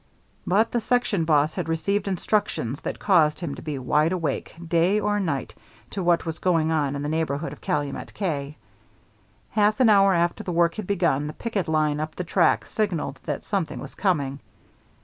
But the section boss had received instructions that caused him to be wide awake, day or night, to what was going on in the neighborhood of Calumet K. Half an hour after the work was begun, the picket line up the track signalled that something was coming.